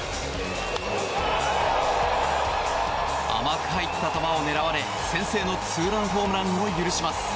甘く入った球を狙われ先制のツーランホームランを許します。